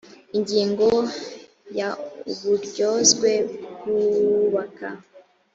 ingingo ya uburyozwe bw uwubaka